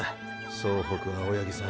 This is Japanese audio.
総北青八木さん。